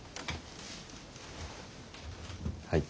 はい。